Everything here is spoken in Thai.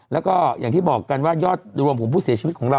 แล้วก็อย่างที่บอกกันว่ายอดรวมของผู้เสียชีวิตของเรา